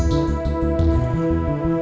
boleh lihat nyata gue